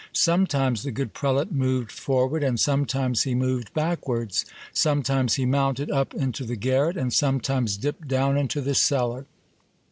Sometimes the good prelate moved forward, and sometimes he moved backwards ; sometimes he mounted up into the garret ; and sometimes dipped down into the cellar.